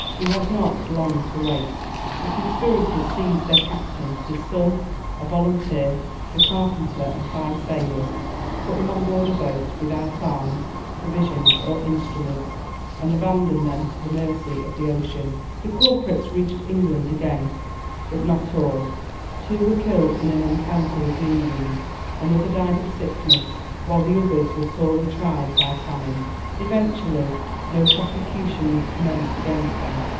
He had not long to wait. The conspirators seized their captain, his son, a volunteer, the carpenter, and five sailors, put them on board a boat, without arms, provisions, or instruments, and abandoned them to the mercy of the ocean. The culprits reached England again, but not all; two were killed in an encounter with the Indians, another died of sickness, while the others were sorely tried by famine. Eventually, no prosecution was commenced against them.